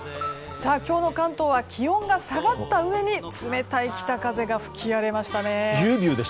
今日の関東は気温が下がったうえに冷たい北風が吹き荒れましたね。